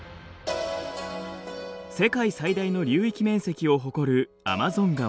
世界最大の流域面積を誇るアマゾン川。